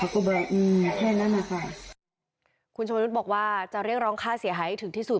คุณชมนุษย์บอกว่าจะเรียกร้องค่าเสียหายให้ถึงที่สุด